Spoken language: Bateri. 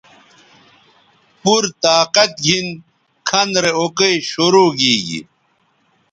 پورطاقت گھن کھن رے اوکئ شرو گیگی